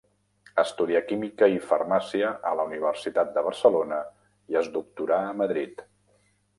Estudià química i farmàcia a la Universitat de Barcelona i es doctorà a Madrid.